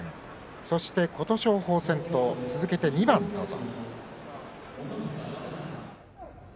そして、琴勝峰戦と続けて２番どうぞ。